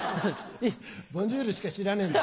「ボンジュール」しか知らねえんだ。